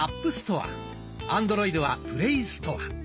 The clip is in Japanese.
アンドロイドは「Ｐｌａｙストア」。